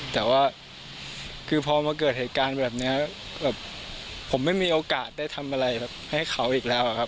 แต่ว่าคือพอมาเกิดเหตุการณ์แบบนี้แบบผมไม่มีโอกาสได้ทำอะไรแบบให้เขาอีกแล้วอะครับ